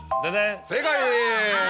正解！